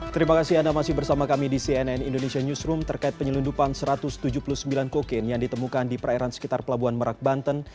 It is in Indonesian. terima kasih anda masih bersama kami di cnn indonesia newsroom terkait penyelundupan satu ratus tujuh puluh sembilan kokain yang ditemukan di perairan sekitar pelabuhan merak banten